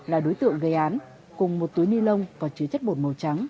là đối tượng gây án cùng một túi ni lông có chứa chất bột màu trắng